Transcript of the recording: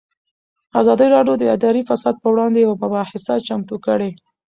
ازادي راډیو د اداري فساد پر وړاندې یوه مباحثه چمتو کړې.